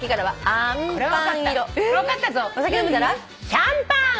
シャンパン！